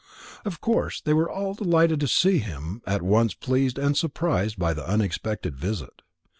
Of course they were all delighted to see him, at once pleased and surprised by the unexpected visit.